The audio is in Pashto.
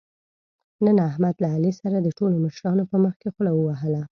نن احمد له علي سره د ټولو مشرانو په مخکې خوله ووهله.